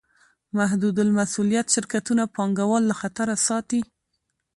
محدودالمسوولیت شرکتونه پانګهوال له خطره ساتي.